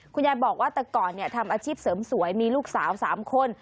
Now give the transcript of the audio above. คุณยายบอกว่าแต่ก่อนทำอาชีพเสริมสวยมีลูกสาว๓คน